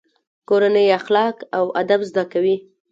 کورنۍ اخلاق او ادب زده کوي.